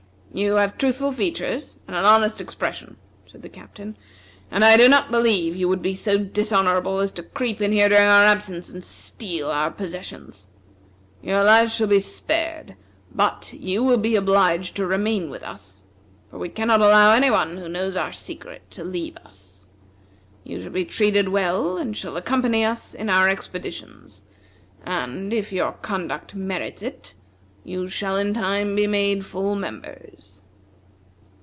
"You have truthful features, and an honest expression," said the Captain, "and I do not believe you would be so dishonorable as to creep in here during our absence and steal our possessions. Your lives shall be spared, but you will be obliged to remain with us; for we cannot allow any one who knows our secret to leave us. You shall be treated well, and shall accompany us in our expeditions; and if your conduct merits it, you shall in time be made full members."